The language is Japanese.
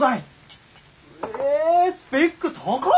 えスペック高っ！